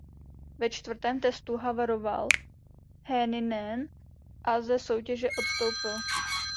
Ve čtvrtém testu havaroval Hänninen a ze soutěže odstoupil.